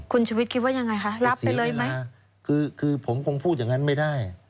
คุณชุวิตคิดว่ายังไงคะรับไปเลยไหมคือคือผมคงพูดอย่างนั้นไม่ได้